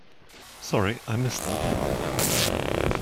Sorry, I missed that.